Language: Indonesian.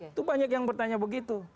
itu banyak yang bertanya begitu